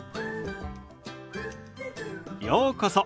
ようこそ。